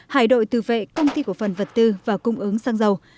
hải đội tự vệ công ty cổ phần vật tư và cung ứng xăng dầu